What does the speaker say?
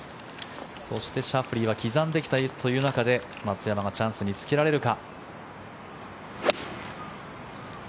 そして、シャフリーは刻んできたという中で松山がチャンスにつけられるか。